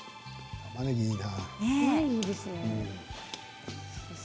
たまねぎ、いいな。